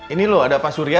ini loh ada pak surya